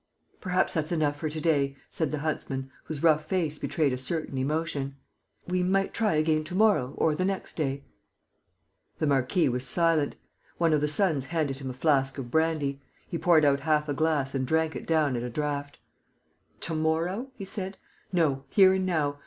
"Perhaps that's enough for to day," said the huntsman, whose rough face betrayed a certain emotion. "We might try again to morrow or the next day...." The marquis was silent. One of the sons handed him a flask of brandy. He poured out half a glass and drank it down at a draught: "To morrow?" he said. "No. Here and now.